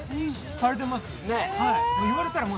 されてます。